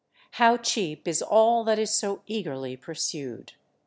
How cheap is all that is so eagerly pursued?